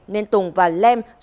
nên tùng và lem tự nhiên đánh bạc